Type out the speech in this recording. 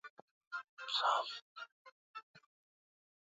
Dalili za ugonjwa huu kwa wanyama waliokufa au mizoga